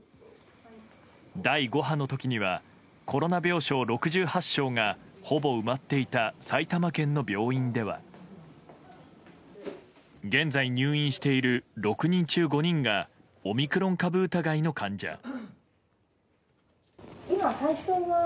第５波の時にはコロナ病床６８床がほぼ埋まっていた埼玉県の病院では現在入院している６人中５人がオミクロン株疑いの患者。